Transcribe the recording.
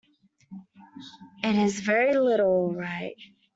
It is very little all right.